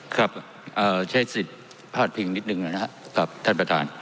ครับใช้สิทธิ์พาดพิงนิดนึงนะครับกับท่านประธาน